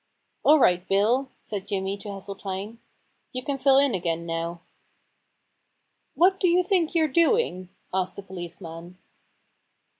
* All right. Bill,' said Jimmy to Hesseltine. * You can fill in again now.' * What do you think you're doing ?' asked the policeman.